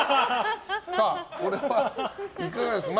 これは、いかがですか？